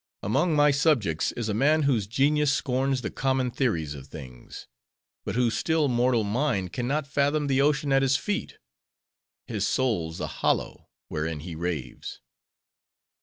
Among my subjects is a man, whose genius scorns the common theories of things; but whose still mortal mind can not fathom the ocean at his feet. His soul's a hollow, wherein he raves."